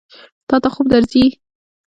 تا ته خوب درځي؟